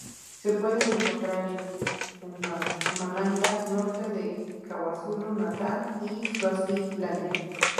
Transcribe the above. Se pueden encontrar en Mpumalanga, norte de KwaZulu-Natal y Suazilandia.